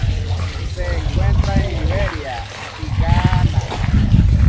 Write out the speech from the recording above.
Se encuentra en Liberia y Ghana.